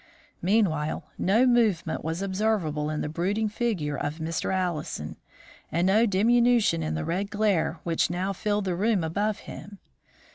Meanwhile, no movement was observable in the brooding figure of Mr. Allison, and no diminution in the red glare which now filled the room above him.